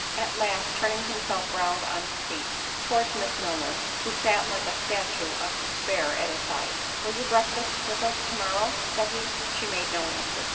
At last, turning himself round on his seat, towards Miss Milner, who sat like a statue of despair at his side, "Will you breakfast with us to morrow?" said he. She made no answer.